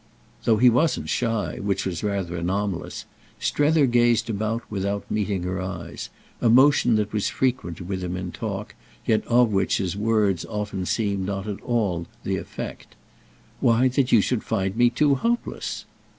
Though he wasn't shy—which was rather anomalous—Strether gazed about without meeting her eyes; a motion that was frequent with him in talk, yet of which his words often seemed not at all the effect. "Why that you should find me too hopeless."